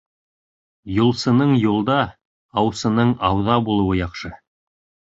Юлсының юлда, аусының ауҙа булыуы яҡшы.